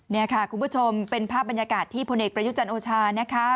นี่ค่ะคุณผู้ชมเป็นภาพบรรยากาศที่พลเอกประยุจันทร์โอชานะคะ